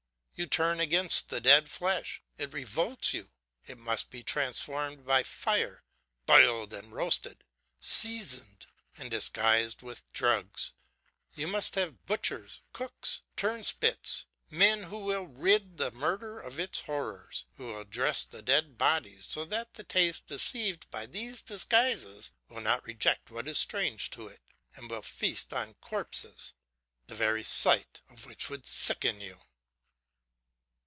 You turn against the dead flesh, it revolts you, it must be transformed by fire, boiled and roasted, seasoned and disguised with drugs; you must have butchers, cooks, turnspits, men who will rid the murder of its horrors, who will dress the dead bodies so that the taste deceived by these disguises will not reject what is strange to it, and will feast on corpses, the very sight of which would sicken you.'"